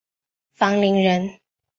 樊陵人。